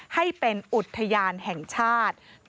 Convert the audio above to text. ให้เป็นอุทยานแห่งชาติ